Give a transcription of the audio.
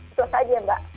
itu saja mbak